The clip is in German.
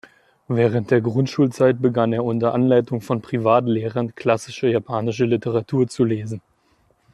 Während der Grundschulzeit begann er unter Anleitung von Privatlehrern klassische japanische Literatur zu lesen.